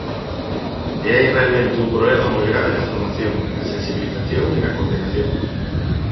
E hai realmente un problema moi grave na formación, na sensibilización e na coordinación.